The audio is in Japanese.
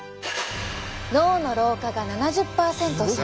脳の老化が７０％遅く。